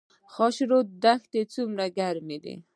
خاشرود دښتې څومره ګرمې دي؟